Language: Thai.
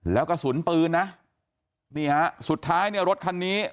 แล้วกระสุนปืนนะนี่ฮะสุดท้ายเนี่ยรถคันนี้